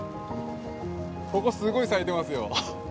ここすごい咲いてますよ。